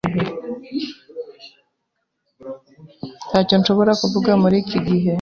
Ntacyo nshobora kuvuga muri iki gihe.